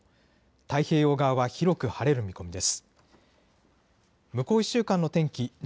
太平洋側は広く晴れる見込みです。